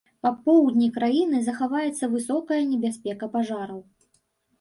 Па поўдні краіны захаваецца высокая небяспека пажараў.